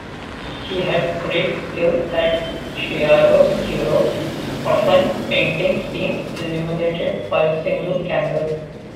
He had great skill at "chiaroscuro", often painting scenes illuminated by a single candle.